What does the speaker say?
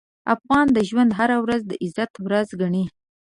افغان د ژوند هره ورځ د عزت ورځ ګڼي.